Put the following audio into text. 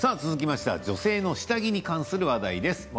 続きましては女性の下着に関する話題です。